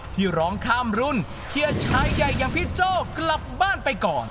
ที่ร้องข้ามรุ่นเชียร์ชายใหญ่อย่างพี่โจ้กลับบ้านไปก่อน